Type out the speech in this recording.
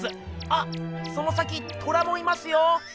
あその先トラもいますよ。